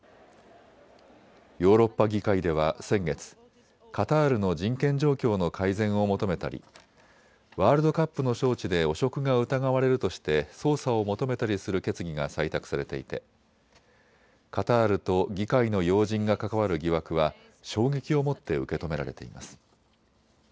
ヨーロッパ議会では先月、カタールの人権状況の改善を求めたりワールドカップの招致で汚職が疑われるとして捜査を求めたりする決議が採択されていてカタールと議会の要人が関わる疑惑は衝撃をもって受け止められています。